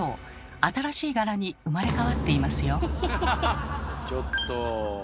新しい柄に生まれ変わっていますよ。